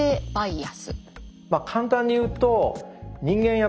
まあ簡単に言うと人間